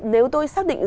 nếu tôi xác định